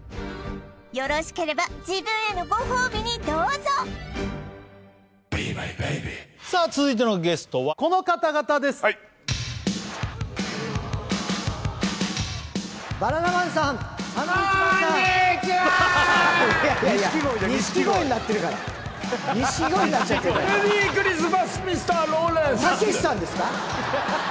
よろしければ自分へのご褒美にどうぞさあ続いてのゲストはこの方々です・たけしさんですか？